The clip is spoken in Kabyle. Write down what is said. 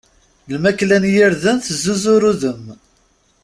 Lmakla n yirden tezzuzur udem.